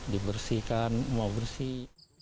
dibersihkan mau bersih